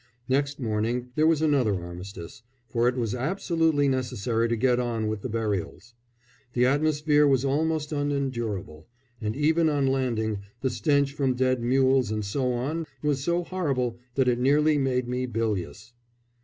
Next morning there was another armistice, for it was absolutely necessary to get on with the burials. The atmosphere was almost unendurable, and, even on landing, the stench from dead mules and so on was so horrible that it nearly made me bilious.